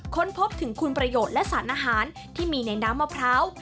ค้นพบถึงคุณประโยชน์และสารอาหารที่มีในน้ำมะพร้าว